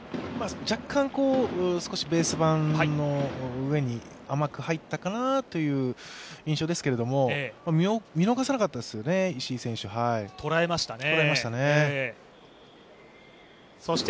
若干、ベース板の上に甘く入ったかなという感じでしたが見逃さなかったですよね、石井選手捉えましたね。